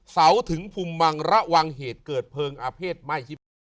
เสาถึงภูมิมังระวังเหตุเกิดเพลิงอาเภษไหม้ชิปปี้